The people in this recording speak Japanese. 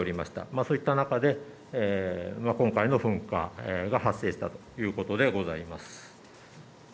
そういう中で今回の噴火が発生したということでございます。